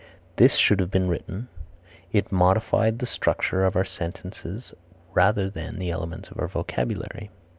This should have been written, "It modified the structure of our sentences rather than the elements of our vocabulary."